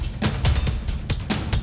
aku setelah itu akan mengundurmu kalian